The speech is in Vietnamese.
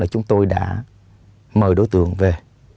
và chúng tôi đã mời đối tượng về